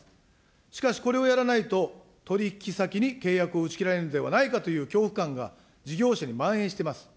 しかし、これをやらないと、取り引き先に契約を打ち切られるのではないかという恐怖感が事業者にまん延しています。